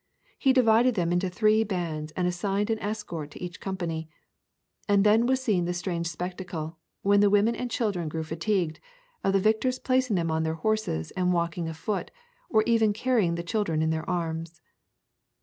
He divided them into three bands and assigned an escort to each company. And then was seen the strange spectacle, when the women and children grew fatigued, of the victors placing them on their horses and walking afoot, or even carrying the children in their arms.